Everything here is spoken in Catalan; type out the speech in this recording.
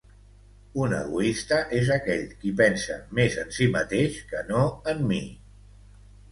Un egoista és aquell qui pensa més en si mateix que no en mi